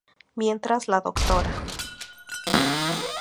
Mientras la Dra.